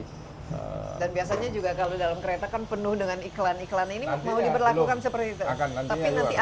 dan biasanya juga kalau dalam kereta kan penuh dengan iklan iklan ini mau diperlakukan seperti itu